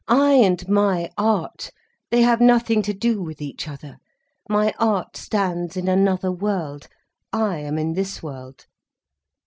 I and my art, they have nothing to do with each other. My art stands in another world, I am in this world."